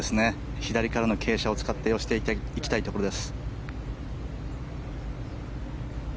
左からの傾斜を使っていきたいところです。